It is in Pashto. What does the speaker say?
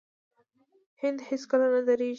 هند هیڅکله نه دریږي.